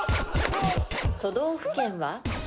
都道府県は？